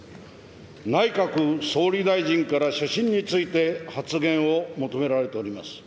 内閣総理大臣から所信について発言を求められております。